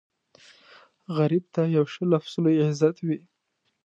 غریب ته یو ښه لفظ لوی عزت وي